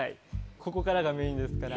ここからがメインですから。